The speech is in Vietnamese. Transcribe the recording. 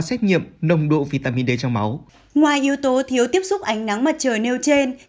xét nghiệm nồng độ vitamin d trong máu ngoài yếu tố thiếu tiếp xúc ánh nắng mặt trời nêu trên